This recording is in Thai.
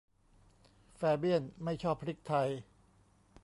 แฟเบี้ยนไม่ชอบพริกไทย